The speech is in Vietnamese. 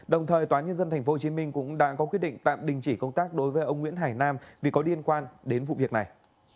đồng thời tòa nhân dân tp hcm cũng đã có quyết định tạm đình chỉ công tác đối với ông nguyễn hải nam vì có liên quan đến vụ việc này